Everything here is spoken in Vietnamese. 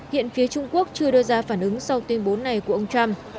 hiện phía trung quốc chưa đưa ra phản ứng sau tuyên bố này của ông trump